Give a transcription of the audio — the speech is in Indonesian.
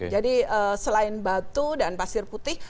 jadi selain batu dan pasir putih